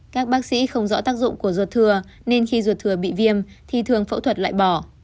các bác sĩ không rõ tác dụng của ruột thừa nên khi ruột thừa bị viêm thì thường phẫu thuật loại bỏ